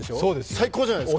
最高じゃないですか！